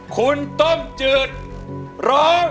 คุณต้มจืดโรง